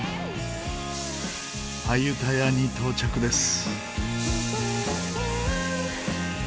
アユタヤに到着です。